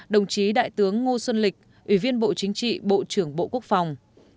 một mươi ba đồng chí đại tướng ngo xuân lịch ủy viên bộ chính trị bộ trưởng bộ quốc phòng